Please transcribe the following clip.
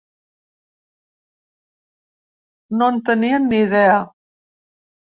No en teníem ni idea.